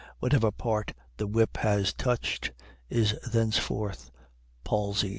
Whatever part the whip has touched is thenceforth palsied.